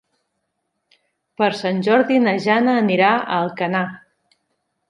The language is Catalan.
Per Sant Jordi na Jana anirà a Alcanar.